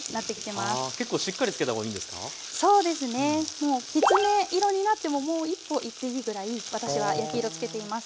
もうきつね色になってももう一歩いっていいぐらい私は焼き色つけています。